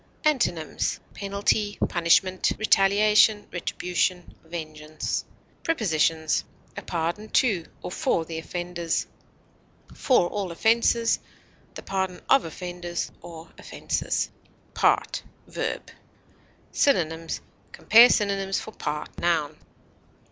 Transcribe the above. Antonyms: penalty, punishment, retaliation, retribution, vengeance. Prepositions: A pardon to or for the offenders; for all offenses; the pardon of offenders or offenses. PART, v. Synonyms: Compare synonyms for PART, _n.